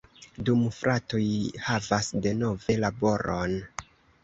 Du fratoj havas denove laboron.